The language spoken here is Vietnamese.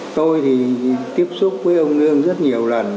tôi thì tiếp xúc với ông lương rất nhiều lần